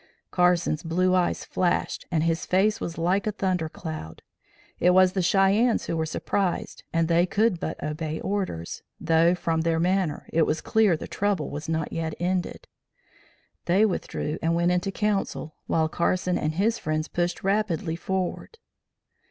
Carson's blue eyes flashed and his face was like a thunder cloud. It was the Cheyennes who were surprised and they could but obey orders, though from their manner, it was clear the trouble was not yet ended. They withdrew and went into council, while Carson and his friends pushed rapidly forward.